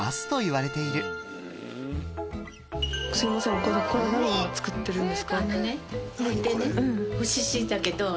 お母さんこれは何を作ってるんですか？